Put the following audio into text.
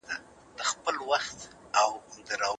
لیکوال د خپلو اتلانو له لارې فلسفي بحثونه کوي.